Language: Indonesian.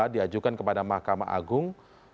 diajukan kepada mahkamah agung